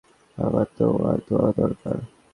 আমার তোমার দোয়া দরকার।